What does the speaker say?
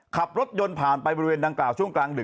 ขับรถยนต์ผ่านไปบริเวณดังกล่าวช่วงกลางดึก